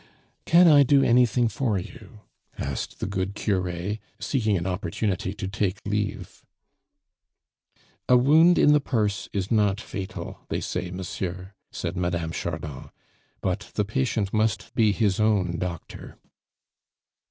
"Can I do anything for you?" asked the good cure, seeking an opportunity to take leave. "A wound in the purse is not fatal, they say, monsieur," said Mme. Chardon, "but the patient must be his own doctor."